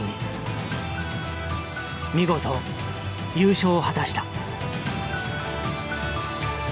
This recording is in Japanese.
見事優勝を果たした。